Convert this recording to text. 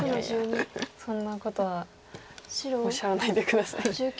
そんなことはおっしゃらないで下さい。